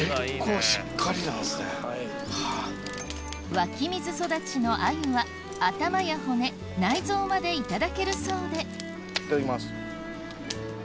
湧き水育ちの鮎は頭や骨内臓までいただけるそうでいただきます。